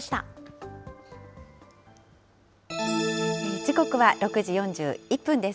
時刻は６時４１分です。